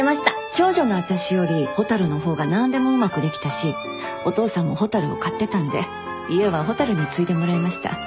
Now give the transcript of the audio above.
長女の私より蛍の方が何でもうまくできたしお父さんも蛍を買ってたんで家は蛍に継いでもらいました。